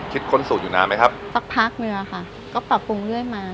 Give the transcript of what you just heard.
ค้นสูตรอยู่นานไหมครับสักพักหนึ่งอะค่ะก็ปรับปรุงเรื่อยมา